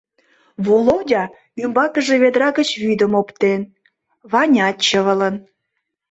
Володя ӱмбакыже ведра гыч вӱдым оптен — Ванят чывылын.